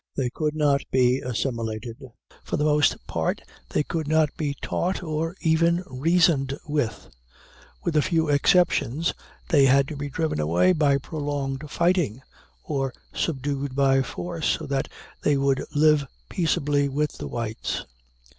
They could not be assimilated; for the most part they could not be taught or even reasoned with; with a few exceptions they had to be driven away by prolonged fighting, or subdued by force so that they would live peaceably with the whites.